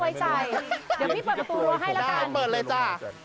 ไม่ให้เข้าแล้วค่ะแต่ตัวไม่น่าไว้ใจ